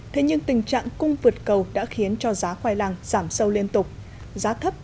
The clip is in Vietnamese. thế nhưng tình trạng cung vượt cầu đã khiến cho giá khoai lang giảm sâu liên tục giá thấp